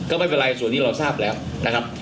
ก็ไม่เป็นไรส่วนนี้เราทราบแล้วนะครับ